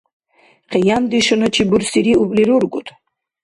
Къияндешуначи бурсириубли рургуд?